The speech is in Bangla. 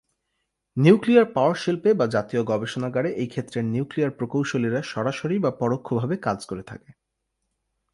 নিউক্লিয়ার পাওয়ার শিল্পে বা জাতীয় গবেষণাগারে এই ক্ষেত্রের নিউক্লিয়ার প্রকৌশলীরা সরাসরি বা পরোক্ষভাবে কাজ করে থাকে।